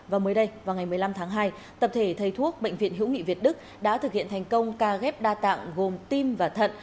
và mới đây vào ngày một mươi năm tháng hai tập thể thầy thuốc bệnh viện hữu nghị việt đức đã thực hiện thành công ca ghép đa tạng gồm tim và thận